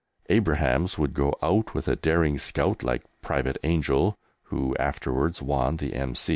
Abrahams would go out with a daring scout like Pte. Angel (who afterwards won the M.